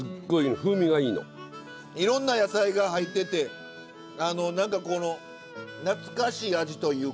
いろんな野菜が入ってて何かこの懐かしい味というか。